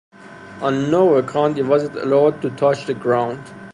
On no account was it allowed to touch the ground.